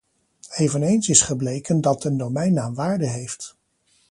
Eveneens is gebleken dat een domeinnaam waarde heeft.